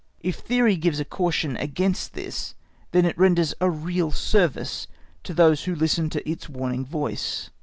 If theory gives a caution against this, then it renders a real service to those who listen to its warning voice.